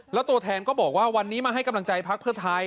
แล้วตัวแทนก็บอกว่าวันนี้มาให้กำลังใจพักเพื่อไทย